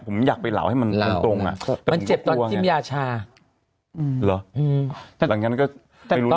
ผมอยากไปเหล่าให้มันเป็นตรงอ่ะมันเจ็บตอนจิ้มยาชาหรออืมแต่หลังงั้นก็ไม่รู้เรื่อง